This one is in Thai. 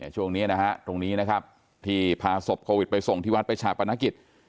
ช่วงนี้นะฮะตรงนี้นะครับที่พาศพโควิดไปส่งที่วัดไปชาปนกิจ